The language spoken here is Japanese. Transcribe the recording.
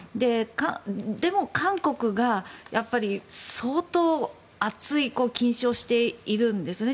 でも、韓国が相当厚い禁止をしているんですね